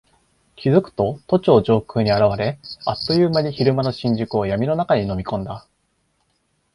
気付くと都庁上空に現れ、あっという間に昼間の新宿を闇の中に飲み込んだ。